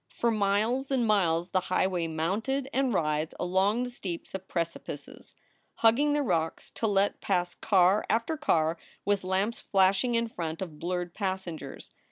For miles and miles the highway mounted and writhed along the steeps of precipices, hugging the rocks to let pass car after car with lamps flashing in front of blurred passengers.